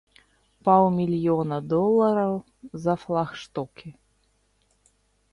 Паўмільёна долараў за флагштокі!